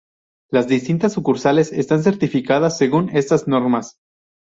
Las distintas sucursales están certificadas según estas normas.